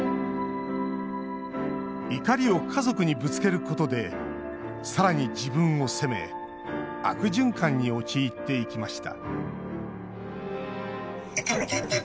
怒りを家族にぶつけることでさらに自分を責め悪循環に陥っていきました